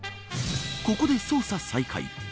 ここで捜査再開。